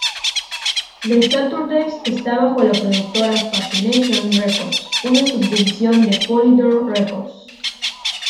The Saturdays está bajo la productora Fascination Records, una subdivisión de Polydor Records.